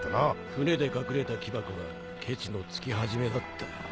船で隠れた木箱がケチの付き始めだった。